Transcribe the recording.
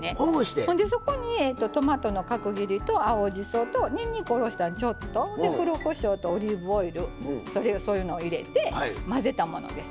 ほんでそこにトマトの角切りと青じそとにんにくおろしたのちょっと。で黒こしょうとオリーブオイルそういうのを入れて混ぜたものです。